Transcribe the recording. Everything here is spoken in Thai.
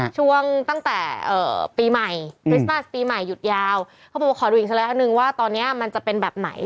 ช่วงตั้งแต่เอ่อปีใหม่อืมปีใหม่หยุดยาวเขาบอกขอดูอีกสักแรกหนึ่งว่าตอนเนี้ยมันจะเป็นแบบไหน